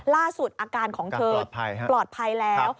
อาการของเธอปลอดภัยแล้ว